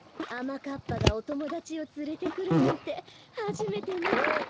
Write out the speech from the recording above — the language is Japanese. あまかっぱがおともだちをつれてくるなんてはじめてね。